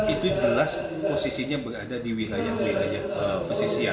itu jelas posisinya berada di wilayah wilayah pesisir